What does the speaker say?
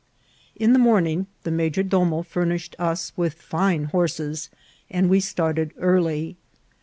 IN the morning the major domo furnished us with fine horses, and we started early.